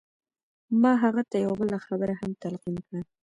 ما هغه ته یوه بله خبره هم تلقین کړې وه